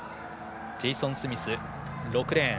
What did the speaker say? ジェイソン・スミスは６レーン。